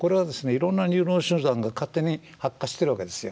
いろんなニューロン集団が勝手に発火してるわけですよ。